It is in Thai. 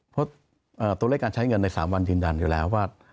เพราะตัวเลขการใช้เงินใน๓วันยืนยันอยู่แล้วว่า